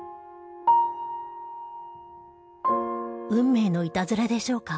運命のいたずらでしょうか？